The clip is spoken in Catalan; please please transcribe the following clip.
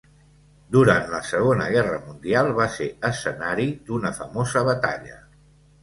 Durant la Segona Guerra Mundial va ser escenari d'una famosa batalla.